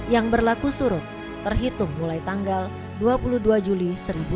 yang berlaku surut terhitung mulai tanggal dua puluh dua juli seribu sembilan ratus